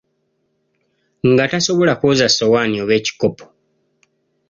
Nga tasobola kwoza ssowaani oba ekikopo.